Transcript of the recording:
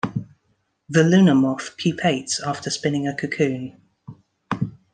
The luna moth pupates after spinning a cocoon.